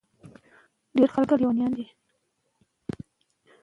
پوهه د سولې د ساتلو لپاره کلیدي ده.